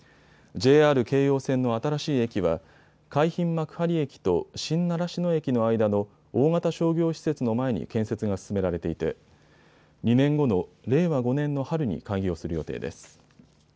ＪＲ京葉線の新しい駅は海浜幕張駅と新習志野駅の間の大型商業施設の前に建設が進められていて、２年後の令和５年の春に開業する予定です。